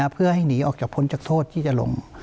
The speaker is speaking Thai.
เพื่อให้หนีออกจากพ้นจากโทษที่จะลง